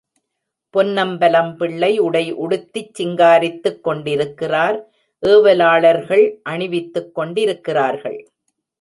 பொன்னம்பலம் பிள்ளை உடை உடுத்திச் சிங்காரித்துக் கொண்டிருக்கிறார் ஏவலாளர்கள் அணிவித்துக் கொண்டிருக்கிறார்கள்.